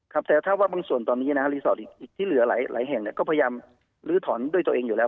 ครับแต่ถ้าว่าบางส่วนตอนนี้นะฮะรีสอร์ทอีกที่เหลือหลายแห่งก็พยายามลื้อถอนด้วยตัวเองอยู่แล้ว